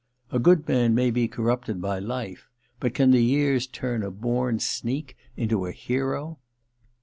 A good man may be corrupted by life, but can the years turn a born sneak into a hero